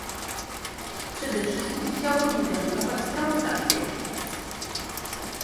Przede wszystkim chciałbym pogratulować sprawozdawcy jego pracy